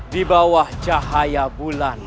di bawah cahaya bulan